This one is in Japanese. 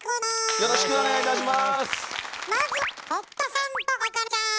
よろしくお願いします。